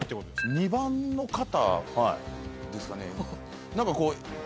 ２番の方ですかね。